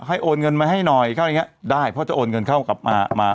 โอนเงินมาให้หน่อยเข้าอย่างเงี้ได้เพราะจะโอนเงินเข้ากลับมามา